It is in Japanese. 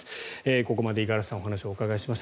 ここまで五十嵐さんお話をお伺いしました。